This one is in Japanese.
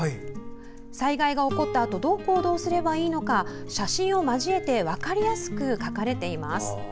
災害が起こったあとどう行動すればいいのか写真を交えて分かりやすく書かれています。